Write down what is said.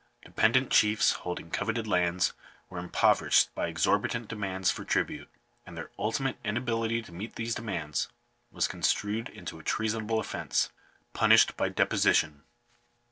Dependent chiefs holding coveted lands were impoverished by exorbitant demands for tribute; and their ultimate inability to meet these demands was con strued into a treasonable offence, punished by deposition.